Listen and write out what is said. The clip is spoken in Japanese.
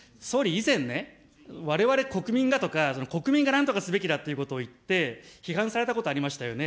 以前ね、われわれ国民がとか、国民がなんとかすべきだということをいって、批判されたことありましたよね。